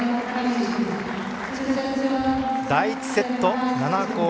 第１セット７−５。